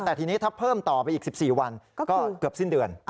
แต่ทีนี้ถ้าเพิ่มต่อไปอีก๑๔วันก็เกือบสิ้นเดือน